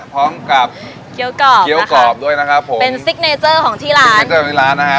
พร้อมกับเกี๊ยวกรอบด้วยนะครับผมเป็นซิกเนเจอร์ของที่ร้านนะฮะ